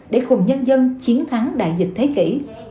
để cùng nhân dân chiến thắng đại dịch thế kỷ